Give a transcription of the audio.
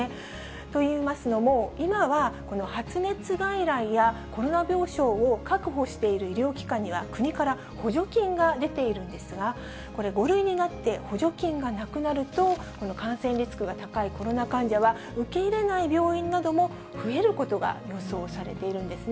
といいますのも、今は発熱外来やコロナ病床を確保している医療機関には、国から補助金が出ているんですが、これ、５類になって補助金がなくなると、この感染リスクが高いコロナ患者は、受け入れない病院なども増えることが予想されているんですね。